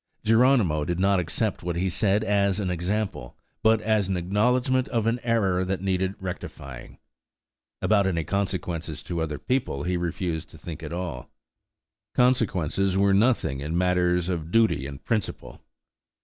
Geronimo did not accept what he said as an example, but as an acknowledgment of an error that needed rectifying. About any consequences to other people he refused to think at all. Consequences were nothing in matters of duty and principle.